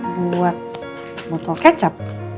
buat botol kecap